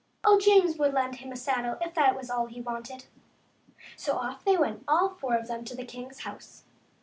Oh, James would lend him a saddle if that was all he wanted. So off they went, all four of them, to the king's house.